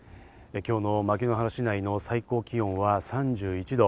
今日の牧之原市内の最高気温は３１度。